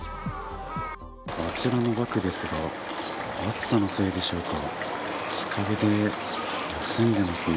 あちらのバクですが暑さのせいでしょうか。